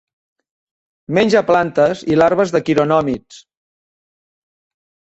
Menja plantes i larves de quironòmids.